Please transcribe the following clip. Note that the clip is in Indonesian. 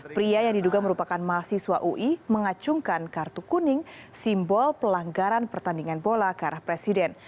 pria yang diduga merupakan mahasiswa ui mengacungkan kartu kuning simbol pelanggaran pertandingan bola ke arah presiden